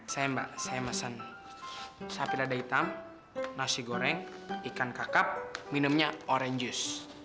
saya mbak saya pesen sapi lada hitam nasi goreng ikan kakap minumnya orange juice